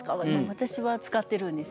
私は使ってるんですね。